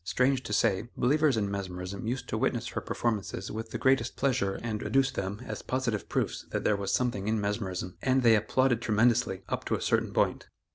Strange to say, believers in mesmerism used to witness her performances with the greatest pleasure and adduce them as positive proofs that there was something in mesmerism, and they applauded tremendously up to a certain point.